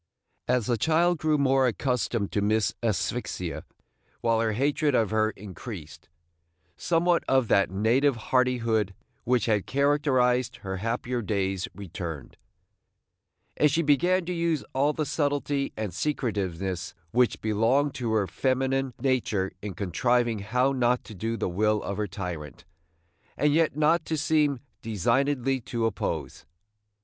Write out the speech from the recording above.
As the child grew more accustomed to Miss Asphyxia, while her hatred of her increased, somewhat of that native hardihood which had characterized her happier days returned; and she began to use all the subtlety and secretiveness which belonged to her feminine nature in contriving how not to do the will of her tyrant, and yet not to seem designedly to oppose.